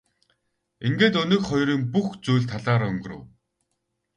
Ингээд өнөөх хоёрын бүх зүйл талаар өнгөрөв.